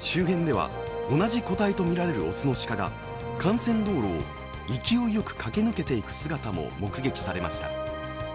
周辺では同じ個体とみられる雄の鹿が幹線道路を勢いよく駆け抜けていく姿も目撃されました。